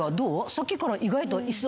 さっきから意外と。